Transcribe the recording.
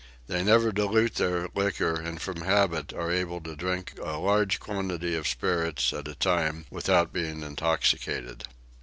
They never dilute their liquor and from habit are able to drink a large quantity of spirits at a time without being intoxicated.